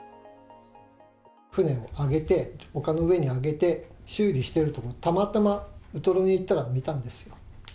船を揚げて、陸の上に揚げて、修理してるところを、たまたまウトロに行ったら見たんですよ。